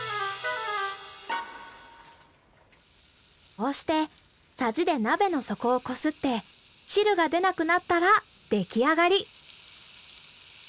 こうしてサジで鍋の底をこすって汁が出なくなったら出来上がり。